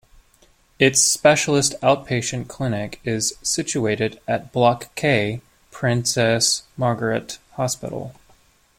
Its specialist outpatient clinic is situated at Block K, Princess Margaret Hospital.